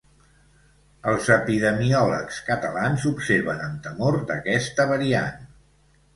Els epidemiòlegs catalans observen amb temor d’aquesta variant.